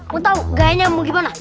mau tau gayanya mau gimana